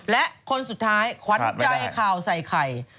และคนสุดท้ายขวัญใจข่าวใส่ไข่